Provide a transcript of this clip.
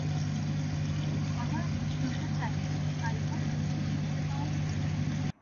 আমার এটা শুনতে চাইনি, আইভান তুমি কি শুনতে পাওনি?